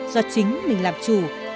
do chính mình làm chủ